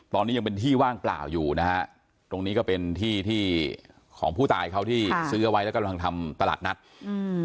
ตอนนี้ยังเป็นที่ว่างเปล่าอยู่นะฮะตรงนี้ก็เป็นที่ที่ของผู้ตายเขาที่ซื้อเอาไว้แล้วกำลังทำตลาดนัดอืม